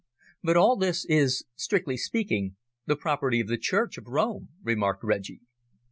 "But all this is, strictly speaking, the property of the Church of Rome," remarked Reggie.